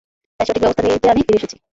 তাই সঠিক ব্যাবস্থা নিতে আমি ফিরে এসেছি।